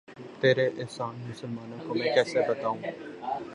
تیرے احسان مسلماں کو میں کیسے بتاؤں